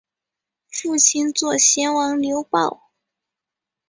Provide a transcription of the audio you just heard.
父亲左贤王刘豹。